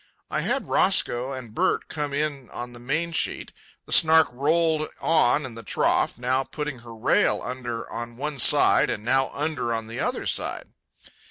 I had Roscoe and Bert come in on the main sheet. The Snark rolled on in the trough, now putting her rail under on one side and now under on the other side.